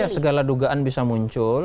ya segala dugaan bisa muncul